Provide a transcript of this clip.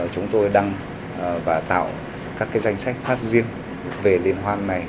chúng tôi đang và tạo các danh sách phát riêng về liên hoan này